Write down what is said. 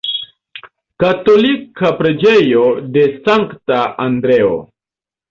Katolika preĝejo de Sankta Andreo.